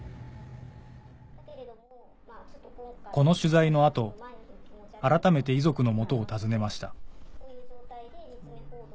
この取材の後改めて遺族の元を訪ねました